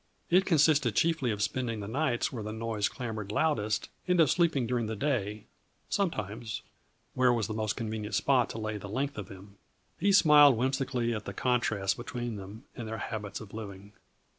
It consisted chiefly of spending the nights where the noise clamored loudest and of sleeping during the day sometimes where was the most convenient spot to lay the length of him. He smiled whimsically at the contrast between them and their habits of living.